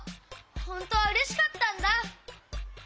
ほんとはうれしかったんだ！